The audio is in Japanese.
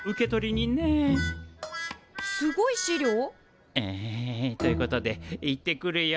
すごい資料？えということで行ってくるよ。